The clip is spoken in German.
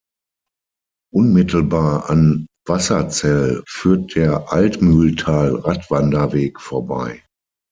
Unmittelbar an Wasserzell führt der Altmühltal-Radwanderweg vorbei.